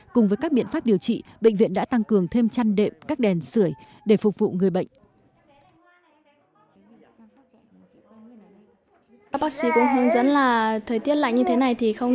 cùng với các biện pháp điều trị bệnh viện đã tăng cường thêm chăn đệm các đèn sửa để phục vụ người bệnh